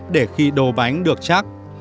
để khi đồ bánh được chắc